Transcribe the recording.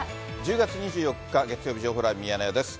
１０月２４日月曜日、情報ライブミヤネ屋です。